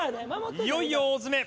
いよいよ大詰め。